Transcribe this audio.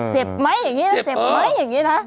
เจ็บไหมอย่างนี้นะ